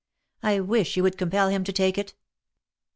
I wish you would compel him to take it."